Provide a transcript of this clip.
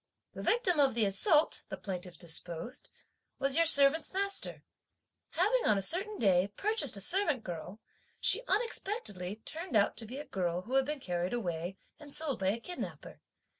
"The victim of the assault," the plaintiffs deposed, "was your servants' master. Having on a certain day, purchased a servant girl, she unexpectedly turned out to be a girl who had been carried away and sold by a kidnapper.